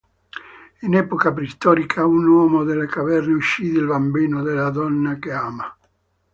In epoca preistorica, un uomo delle caverne uccide il bambino della donna che ama.